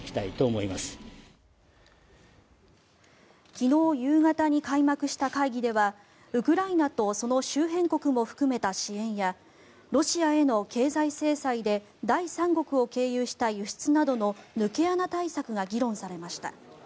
昨日夕方に開幕した会議ではウクライナとその周辺国も含めた支援やロシアへの経済制裁で第三国を経由した輸出などの抜け穴対策が議論されました。